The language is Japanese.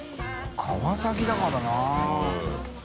川崎だからな。